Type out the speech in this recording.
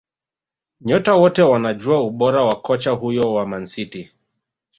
Nyota wote wanajua ubora wa kocha huyo wa Man City